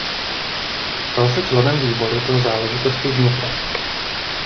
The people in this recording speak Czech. Stal se členem výboru pro záležitosti vnitra.